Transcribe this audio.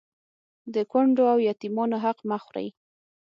د کونډو او يتيمانو حق مه خورئ